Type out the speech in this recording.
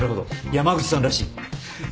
山口さんらしい。